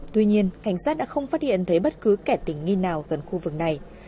tuy nhiên cảnh sát đã không phát hiện thấy bất cứ kẻ tỉnh nghi nào gần khu vực này